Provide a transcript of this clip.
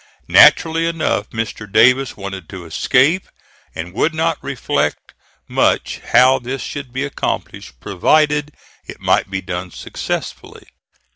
Naturally enough, Mr. Davis wanted to escape, and would not reflect much how this should be accomplished provided it might be done successfully.